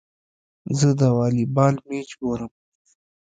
زه د والي بال مېچ ګورم.